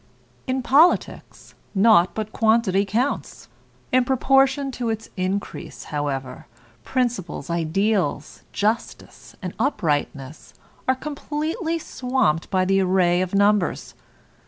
In politics, naught but quantity counts. In proportion to its increase, however, principles, ideals, justice, and uprightness are completely swamped by the array of numbers.